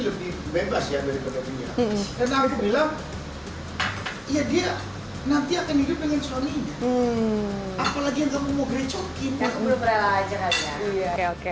lebih bebas ya dari kebetulan ya dia nanti akan hidup dengan sony apalagi kalau mau greco